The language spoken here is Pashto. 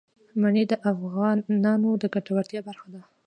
منی د افغانانو د ګټورتیا برخه ده.